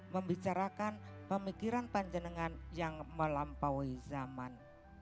membicarakan pemikiran panjenengan yang melampaui zaman